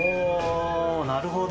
なるほど。